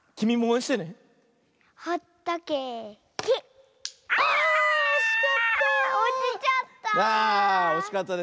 おちちゃった。